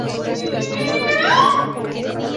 Estaba situado antiguamente en Banjul.